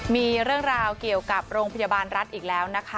มีเรื่องราวเกี่ยวกับโรงพยาบาลรัฐอีกแล้วนะคะ